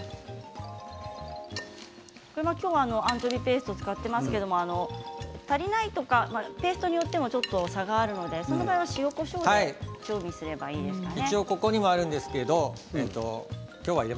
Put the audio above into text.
今日はアンチョビペーストを使っていますが足りないとかって人によってもちょっと差があるのでその場合は塩、こしょうで調整すればいいですかね。